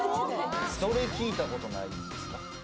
どれ聴いたことないですか？